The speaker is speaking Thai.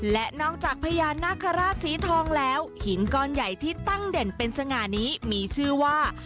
และนอกจากพญานาคาราชสีทองแล้วหินก้อนใหญ่ที่ตั้งเด่นเป็นสง่านี้มีชื่อว่า